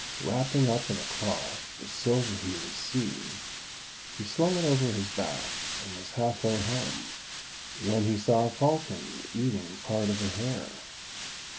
Wrapping up in a cloth the silver he received, he slung it over his back, and was half way home, when he saw a falcon eating part of a hare.